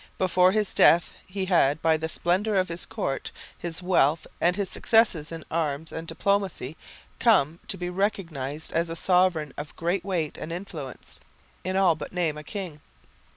Before his death he had by the splendour of his court, his wealth and his successes in arms and diplomacy, come to be recognised as a sovereign of great weight and influence, in all but name a king.